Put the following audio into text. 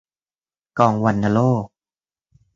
กองวัณโรค